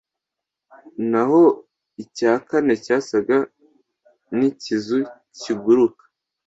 naho icya kane cyasaga n’ikizu kiguruka.